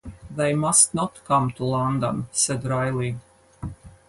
“They must not come to London,” said Riley.